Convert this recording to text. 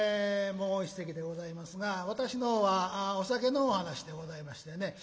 もう一席でございますが私のはお酒のお噺でございましてね。